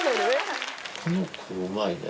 この子、うまいね。